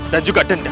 dan juga denda